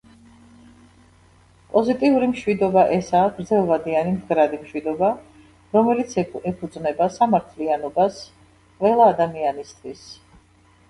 პოზიტიური მშვიდობა ესაა გრძელვადიანი, მდგრადი მშვიდობა, რომელიც ეფუძნება სამართლიანობას ყველა ადამიანისთვის.